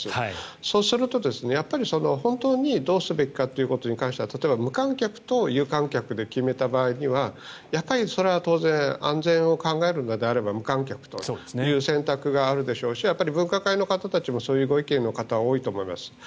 そうすると本当にどうすべきかということに関しては例えば無観客と有観客で決めた場合にはそれは当然安全を考えるのであれば無観客という選択があるでしょうし分科会の方たちもそういうご意見の方多いと思います。